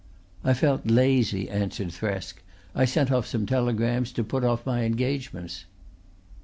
"I felt lazy," answered Thresk. "I sent off some telegrams to put off my engagements."